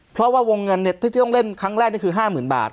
เพราะว่าวงเงินที่ต้องเล่นครั้งแรกนี่คือ๕๐๐๐บาท